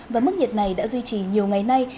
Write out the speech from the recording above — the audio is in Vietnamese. và mức nhiệt này đã duy trì nhiều ngày nay